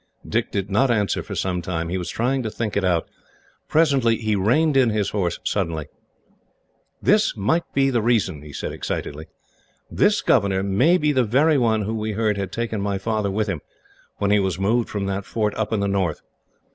Dick did not answer for some time. He was trying to think it out. Presently, he reined in his horse suddenly. "This might be the reason," he said, excitedly. This governor may be the very one who we heard had taken my father with him, when he was moved from that fort up in the north.